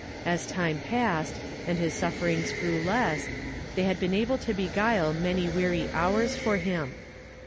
As time passed, and his sufferings grew less, they had been able to beguile many weary hours for him.